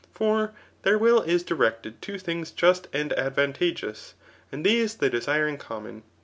For their will is directed to things just and advantageous; and these they desire in common.